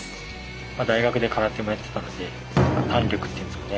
大学で空手もやってたので胆力っていうんですかね